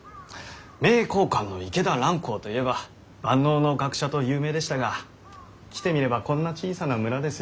名教館の池田蘭光といえば万能の学者と有名でしたが来てみればこんな小さな村ですよ。